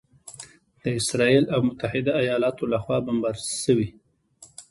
د اسراییل او متحده ایالاتو لخوا بمبار شوي